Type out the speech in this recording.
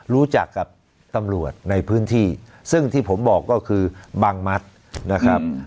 รู้จักกับตำรวจในพื้นที่ซึ่งที่ผมบอกก็คือบังมัดนะครับ